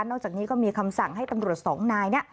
นอกจากนี้ก็มีคำสั่งให้ตำรวจ๒นาย